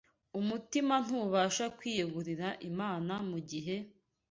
Umutima ntubasha kwiyegurira Imana mu gihe